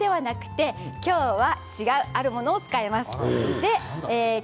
炊く時も水ではなくて、今日は違うあるものを使います。